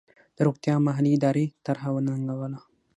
د روغتیا محلي ادارې طرحه وننګوله.